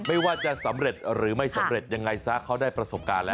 ไม่ว่าจะสำเร็จหรือไม่สำเร็จยังไงซะเขาได้ประสบการณ์แล้ว